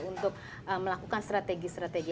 untuk melakukan strategi strategi